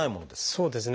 そうですね。